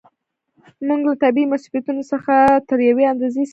موږ له طبیعي مصیبتونو څخه تر یوې اندازې ساتي.